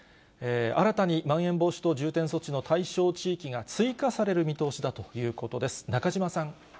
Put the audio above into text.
新たにまん延防止等重点措置の対象地域が追加される見通しだということです。